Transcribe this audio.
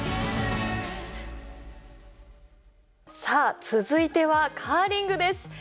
さあ続いてはカーリングです。